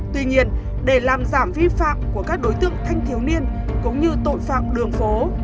tuy nhiên để làm giảm vi phạm của các đối tượng thanh thiếu niên cũng như tội phạm đường phố